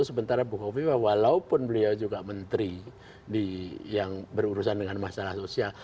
sementara buko viva walaupun beliau juga menteri yang berurusan dengan masalah sosial